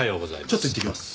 ちょっと行ってきます。